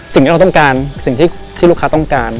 สิ่งที่เราต้องการสิ่งที่ลูกค้าต้องการ